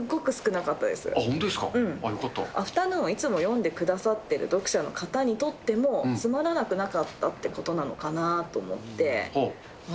アフタヌーンをいつも読んでくださってる読者の方にとっても、つまらなくなかったってことなのかなと思って。